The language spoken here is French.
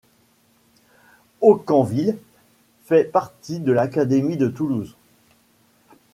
Aucamville fait partie de l'académie de Toulouse.